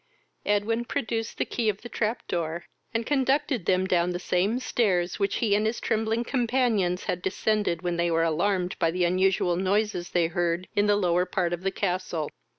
Edwin produced the key of the trap door, and conducted them down the same stairs which he and his trembling companions had descended when they were alarmed by the unusual noises they heard in the lower part of the castle.